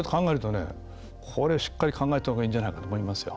これはしっかり考えたほうがいいんじゃないかと思いますよ。